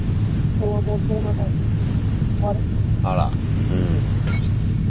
あら。